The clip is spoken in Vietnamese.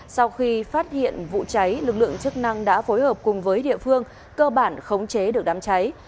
sau khi phát hiện vụ cháy lực lượng chức năng đã phối hợp cùng với địa phương cơ bản khống chế được đám cháy